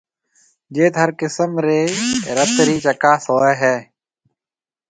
جيٿ ھر قسم رِي رت رِي چڪاس ھوئيَ ھيََََ